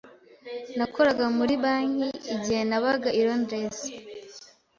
Nakoraga muri banki igihe nabaga i Londres.